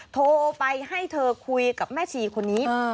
โทรไปให้เธอคุยกับแม่ชีคนนี้